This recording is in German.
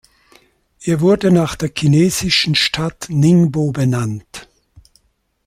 Er wurde nach der chinesischen Stadt Ningbo benannt.